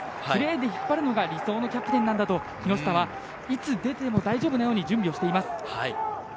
プレーで引っ張るのが理想のキャプテンなんだと木下はいつ出ても大丈夫なように準備をしています。